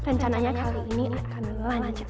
rencananya kali ini akan lanjut